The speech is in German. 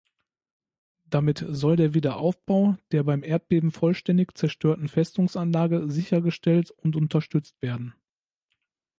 Damit soll der Wiederaufbau der beim Erdbeben vollständig zerstörten Festungsanlage sichergestellt und unterstützt werden.